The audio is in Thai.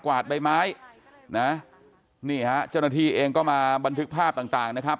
วาดใบไม้นะนี่ฮะเจ้าหน้าที่เองก็มาบันทึกภาพต่างต่างนะครับ